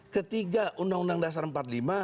ketiga undang undang dasar empat puluh lima